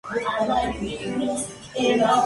La última en ser descubierta es Gioia mexicana.